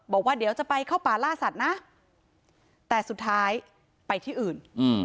บอกว่าเดี๋ยวจะไปเข้าป่าล่าสัตว์นะแต่สุดท้ายไปที่อื่น